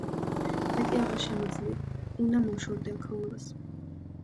მეტი აღარ შემიძლია, უნდა მოვშორდე აქაურობას!